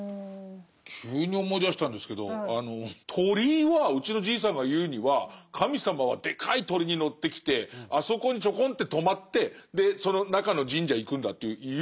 急に思い出したんですけど鳥居はうちのじいさんが言うには神様はでかい鳥に乗ってきてあそこにちょこんって止まってでその中の神社へ行くんだって言うんですよ。